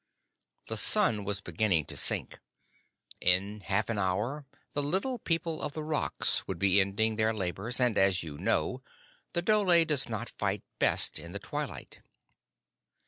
The sun was beginning to sink. In half an hour the Little People of the Rocks would be ending their labors, and, as he knew, the dhole does not fight best in the twilight.